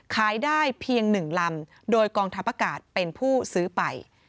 ขายได้เพียง๑ลำโดยกองทัพอากาศเป็นผู้ซื้อไป